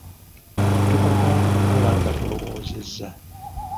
Topapanga kukola nga tolowoozezza.